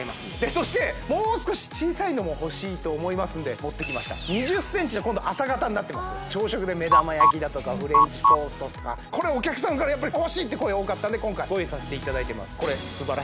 そしてもう少し小さいのも欲しいと思いますんで持ってきました２０ｃｍの今度浅型になってます朝食で目玉焼きだとかフレンチトーストとかこれお客さんから「欲しい」って声多かったんで今回ご用意させていただいてます